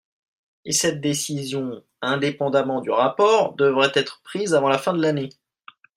Et cette décision, indépendamment du rapport, devrait être prise avant la fin de l’année.